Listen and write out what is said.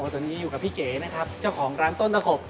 ตอนนี้อยู่กับพี่เก๋นะครับเจ้าของร้านต้นตะขบ